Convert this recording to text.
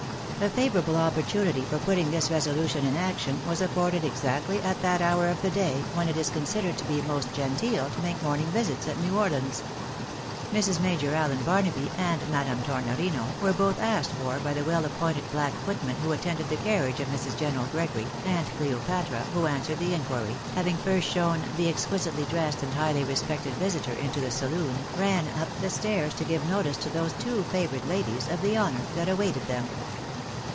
A favourable opportunity for putting this resolution in action was afforded exactly at that hour of the day when it is considered to be most genteel to make morning visits at New Orlcnns. JMrs. Major Allen Barnaby and Madame Tornorino, were both asked for by the well appointed black footman who attended the carriage of Mrs. General Gregory, and Cleopatra, who answered the inquiry, having first shown the exquisitely dressed and highly respected visitor into the saloon, ran up the stairs to give notice to those two favoured ladies of the honour that awaited them.